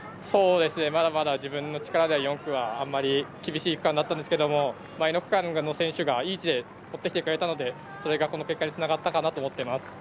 まだまだ自分の力では足りなかったんですけど前の区間の選手がいい位置で取ってきてくれたので、それがこの結果につながったかなと思っています。